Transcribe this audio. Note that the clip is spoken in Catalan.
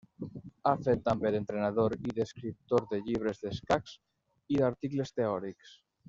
Ha fet també d'entrenador i d'escriptor de llibres d'escacs i d'articles teòrics.